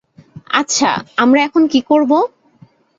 আচ্ছা, আমরা এখন কী করব?